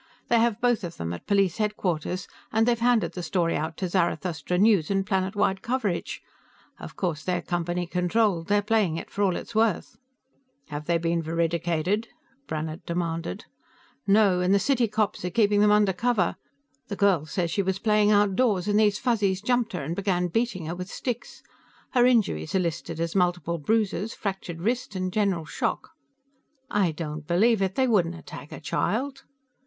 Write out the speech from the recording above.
"They have both of them at police headquarters, and they've handed the story out to Zarathustra News, and Planetwide Coverage. Of course, they're Company controlled; they're playing it for all it's worth." "Have they been veridicated?" Brannhard demanded. "No, and the city cops are keeping them under cover. The girl says she was playing outdoors and these Fuzzies jumped her and began beating her with sticks. Her injuries are listed as multiple bruises, fractured wrist and general shock." "I don't believe it! They wouldn't attack a child."